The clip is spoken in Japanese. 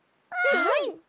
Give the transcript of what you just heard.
はい！